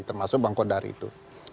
termasuk bang kodari itu